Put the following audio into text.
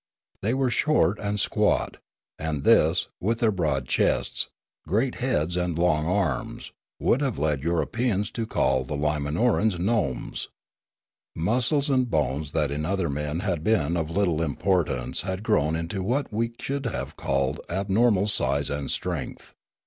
They were short and squat; and this, with their broad chests, great heads, and long arms, would have led Europeans to call the Limanorans gnomes. Muscles and bones that J 32 Limanora in other men had been of little importance had grown into what we should have called abnormal size and strength*.